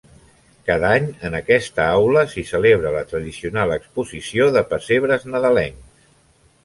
Cada any, en aquesta aula s'hi celebra la tradicional exposició de pessebres nadalencs.